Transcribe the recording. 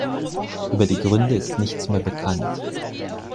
Über die Gründe ist nichts mehr bekannt.